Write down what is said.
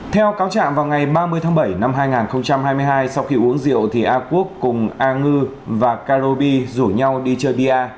theo cáo trạng vào ngày ba mươi tháng bảy năm hai nghìn hai mươi hai sau khi uống rượu thì a quốc cùng a ngư và karobi rủ nhau đi chơi bia